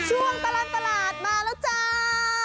ช่วงตลอดตลาดมาแล้วจ้า